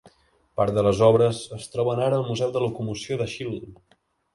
Part de les obres es troben ara al museu de locomoció de Shildon.